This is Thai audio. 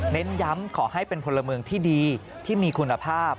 เน้นย้ำขอให้เป็นพลเมืองที่ดีที่มีคุณภาพ